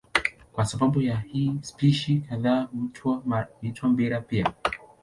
Kwa sababu ya hii spishi kadhaa huitwa mpira pia.